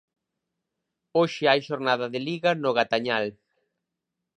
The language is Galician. Hoxe hai xornada de Liga no Gatañal.